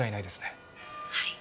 はい。